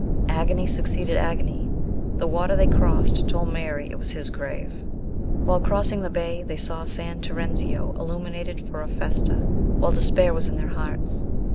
Agony succeeded agony; the water they crossed told Mary it was his grave. While crossing the bay they saw San Terenzio illuminated for a festa, while despair was in their hearts.